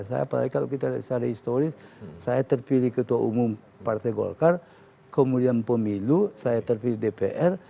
saya apalagi kalau kita secara historis saya terpilih ketua umum partai golkar kemudian pemilu saya terpilih dpr